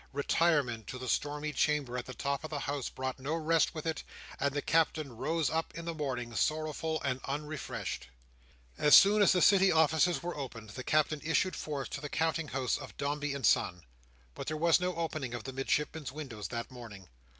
Retirement to the stormy chamber at the top of the house brought no rest with it; and the Captain rose up in the morning, sorrowful and unrefreshed. As soon as the City offices were opened, the Captain issued forth to the counting house of Dombey and Son. But there was no opening of the Midshipman's windows that morning.